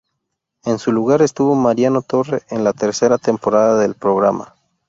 En su lugar estuvo Mariano Torre, en la tercera temporada del programa.